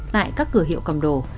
tại các cửa hiệu cầm đồ